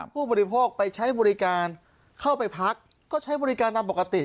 ผู้บริโภคไปใช้บริการเข้าไปพักก็ใช้บริการตามปกติ